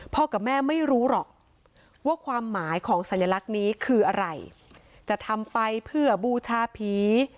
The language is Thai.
กับแม่ไม่รู้หรอกว่าความหมายของสัญลักษณ์นี้คืออะไรจะทำไปเพื่อบูชาผี